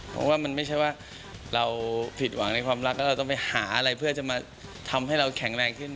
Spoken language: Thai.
เพราะว่ามันไม่ใช่ว่าเราผิดหวังในความรักแล้วเราต้องไปหาอะไรเพื่อจะมาทำให้เราแข็งแรงขึ้น